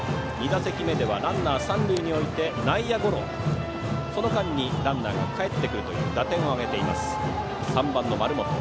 ２打席目ではランナーを三塁に置いて内野ゴロの間にランナーがかえってくるという打点を挙げています、３番の丸本。